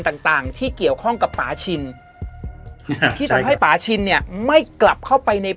ต่างต่างที่เกี่ยวข้องกับป่าชินที่ทำให้ป่าชินเนี่ยไม่กลับเข้าไปใน